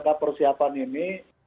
dan persiapan ini